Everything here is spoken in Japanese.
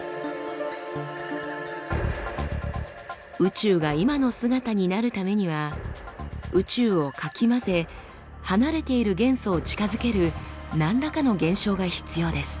宇宙が今の姿になるためには宇宙をかき混ぜ離れている元素を近づける何らかの現象が必要です。